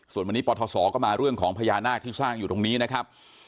ส่วนวันนี้ปทศก็มาเรื่องของพญานาคที่สร้างอยู่ตรงนี้นะครับ